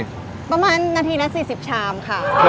ประมาณนาทีละ๔๐ชามค่ะ